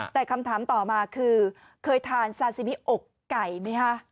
แต่คำถามต่อมาคือเคยทานซาซิมิอกไก่ไหมคะ